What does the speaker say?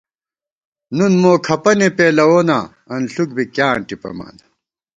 نُن مو کھپَنے پېلَووناں ، انݪُک بی کیاں ٹِپَمان